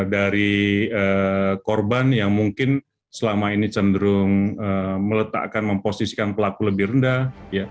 dari korban yang mungkin selama ini cenderung meletakkan memposisikan pelaku lebih rendah